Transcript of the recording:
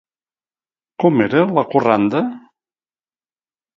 Com era la corranda?